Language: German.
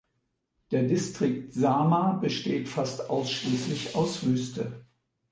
Der Distrikt Sama besteht fast ausschließlich aus Wüste.